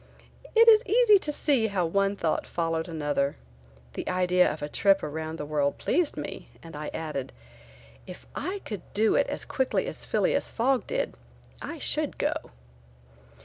It is easy to see how one thought followed another. The idea of a trip around the world pleased me and I added: "If I could do it as quickly as Phileas Fogg did, I should go."